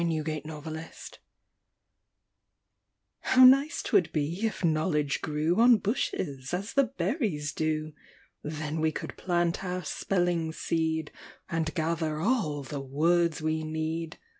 EASY KNOWLEDGE How nice 'twould be if knowledge grew On bushes, as the berries do! Then we could plant our spelling seed, And gather all the words we need.